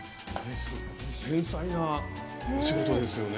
繊細なお仕事ですよね。